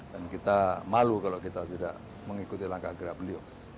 dan kita malu kalau kita tidak mengikuti langkah gerak beliau